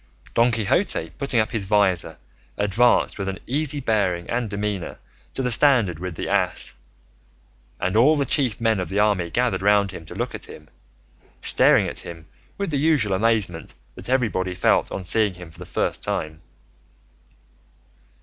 Don Quixote, putting up his visor, advanced with an easy bearing and demeanour to the standard with the ass, and all the chief men of the army gathered round him to look at him, staring at him with the usual amazement that everybody felt on seeing him for the first time.